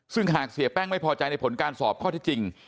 ซึ่งหากเสียแป้งไม่พอใจในผลการสอบข้อที่จริง